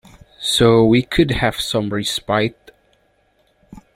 So we could have some respite.